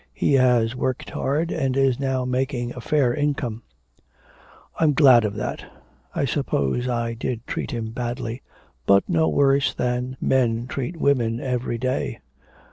He has worked hard and is now making a fair income.' 'I'm glad of that.... I suppose I did treat him badly. But no worse than men treat women every day.'